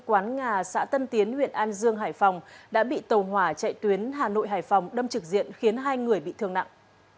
quán ngà xã tân tiến huyện an dương hải phòng đã bị tàu hỏa chạy tuyến hà nội hải phòng đâm trực diện khiến hai người bị thương nặng